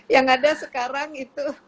yang ada sekarang itu